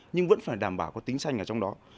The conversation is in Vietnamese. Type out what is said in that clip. nhưng vẫn phải đảm bảo có tính xanh ở trong đó